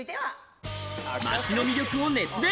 街の魅力を熱弁。